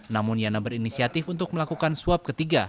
namun yana berinisiatif untuk melakukan swab ketiga